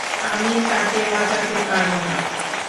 আমি তাকে বাঁচাতে পারব না!